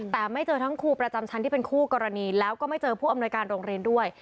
แต่ไม่เจอทั้งครูประจำชั้นที่เป็นคู่กรณีแล้วก็ไม่เจอผู้อำนวยการโรงเรียนด้วย